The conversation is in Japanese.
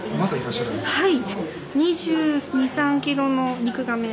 はい。